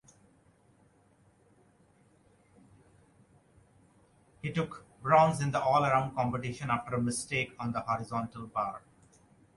He took bronze in the All-Around competition after a mistake on the horizontal bar.